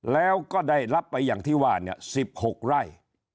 แล้วก็ได้รับไปอย่างที่ว่า๑๖ไร่